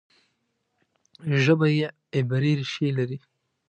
ژبه یې عبري ریښې لري.